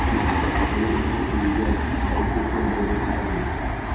Uni oʻzi uyiga olib ketgan boʻlmasin tagʻin.